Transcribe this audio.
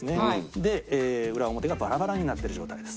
で裏表がバラバラになってる状態です。